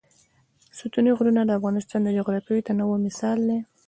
ستوني غرونه د افغانستان د جغرافیوي تنوع مثال دی.